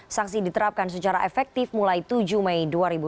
sanksi diterapkan secara efektif mulai tujuh mei dua ribu dua puluh